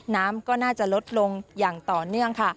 น้ำก็น่าจะลดลงอย่างต่อเนื่องค่ะ